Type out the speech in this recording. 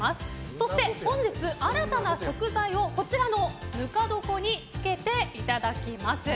そして、本日新たな食材をこちらのぬか床に漬けていただきます。